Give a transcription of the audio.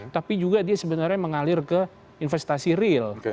tapi juga dia sebenarnya mengalir ke investasi real